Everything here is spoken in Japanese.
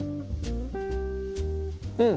うん！